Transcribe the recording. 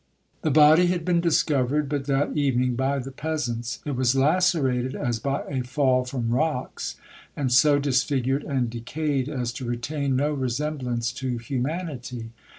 The body had been discovered but that evening by the peasants; it was lacerated as by a fall from rocks, and so disfigured and decayed as to retain no resemblance to humanity.